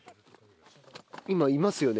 今いますよね？